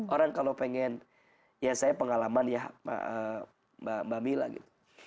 orang kalau pengen ya saya pengalaman ya mbak mila gitu